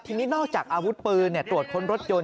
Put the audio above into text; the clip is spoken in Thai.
ทีนี้นอกจากอาวุธปืนตรวจค้นรถยนต